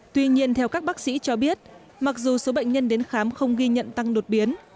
tuy nhiên theo các bác sĩ cho biết mặc dù số bệnh nhân đến khám không ghi nhận tăng đột biến